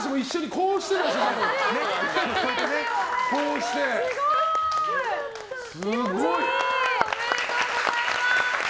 こうして。おめでとうございます。